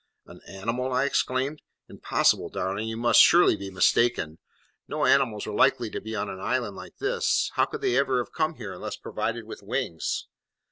"An animal?" I exclaimed. "Impossible, darling; you must surely be mistaken. No animals are likely to be on an island like this. How could they ever have come here, unless provided with wings?"